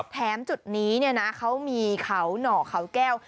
แถมจุดนี้เนี่ยนะเขามีเขาหน่อเขาแก้ว